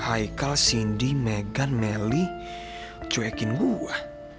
haikal cindy megan meli cuekin gue